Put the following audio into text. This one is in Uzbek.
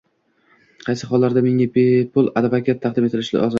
Qaysi hollarda menga bepul advokat taqdim etilishi lozim?